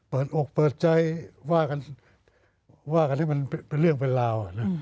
เปิดอกเปิดใจว่ากันให้มันเป็นเรื่องเป็นราว